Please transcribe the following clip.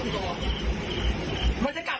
มีคนอยู่ไหมครับ